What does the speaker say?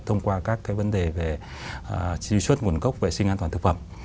thông qua các cái vấn đề về trí suất nguồn gốc vệ sinh an toàn thực phẩm